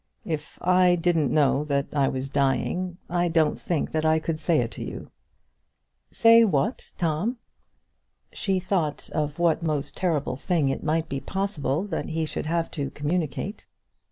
"If I didn't know that I was dying I don't think that I could say it to you." "Say what, Tom?" She thought of what most terrible thing it might be possible that he should have to communicate.